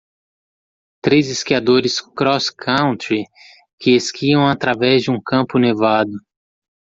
Três esquiadores crosscountry que esquiam através de um campo nevado.